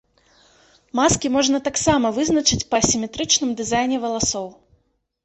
Маскі можна таксама вызначыць па асіметрычным дызайне валасоў.